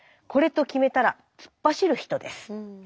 これと決めたら突っ走る人です。